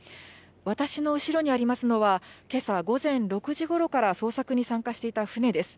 私の後ろにありますのは、けさ午前６時ごろから捜索に参加していた船です。